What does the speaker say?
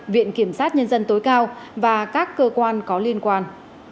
viện kiểm sát nhân dân tối cao và các cơ quan có liên quan